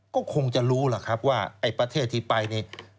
ก็คงจะรู้ล่ะครับว่าไอ้ประเทศที่ไปนี่